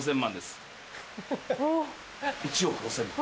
１億５０００万。